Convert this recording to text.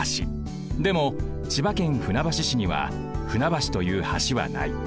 でも千葉県船橋市には船橋という橋はない。